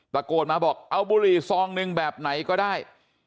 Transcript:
ตะโกนมาบอกเอาบุหรี่ซองหนึ่งแบบไหนก็ได้